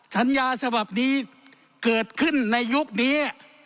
สัญญาฉบับนี้เกิดขึ้นในยุคนี้